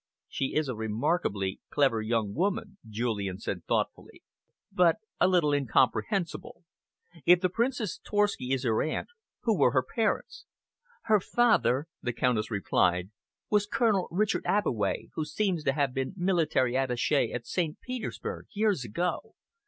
"She is a remarkably clever young woman," Julian said thoughtfully, "but a little incomprehensible. If the Princess Torski is her aunt, who were her parents?" "Her father," the Countess replied, "was Colonel Richard Abbeway, who seems to have been military attache at St. Petersburg, years ago.